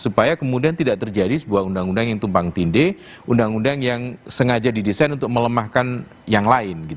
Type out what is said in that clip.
jadi itu adalah sebuah undang undang yang tumpang tindih undang undang yang sengaja didesain untuk melemahkan yang lain